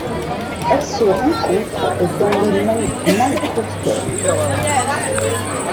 Elle se rencontre dans les monts Matroosberg.